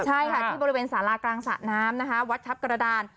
ใช่ค่ะที่บริเวณสารากลางสระน้ำนะคะวัดทัพกระดาน